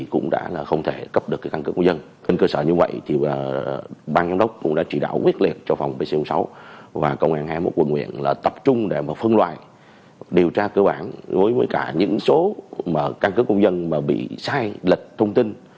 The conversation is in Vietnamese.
công an tp hcm tập trung để phân loại điều tra cơ bản với những số căn cứ công dân bị sai lịch thông tin